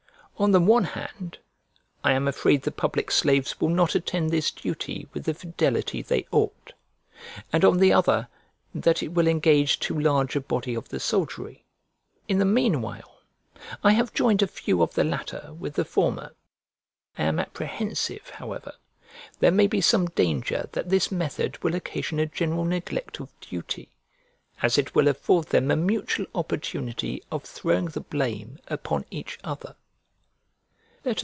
On the one hand, I am afraid the public slaves will not attend this duty with the fidelity they ought; and on the other, that it will engage too large a body of the soldiery. In the meanwhile I have joined a few of the latter with the former. I am apprehensive, however, there may be some danger that this method will occasion a general neglect of duty, as it will afford them a mutual opportunity of throwing the blame upon each other.